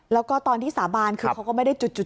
แล้วก็ตอนที่สาบานคือเขาก็ไม่ได้จุด